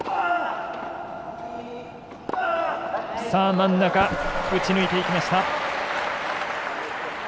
真ん中、打ち抜いていきました。